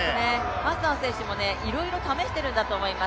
ハッサン選手もいろいろ試しているんだと思います。